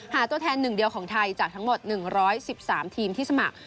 ตัวแทนหนึ่งเดียวของไทยจากทั้งหมด๑๑๓ทีมที่สมัคร